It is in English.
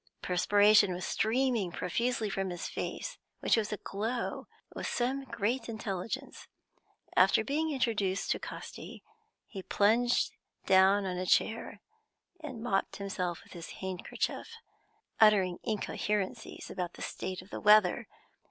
Perspiration was streaming profusely from his face, which was aglow with some great intelligence. After being introduced to Casti, he plunged down on a chair, and mopped himself with his handkerchief, uttering incoherencies about the state of the weather.